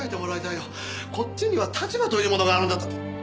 こっちには立場というものがあるんだと。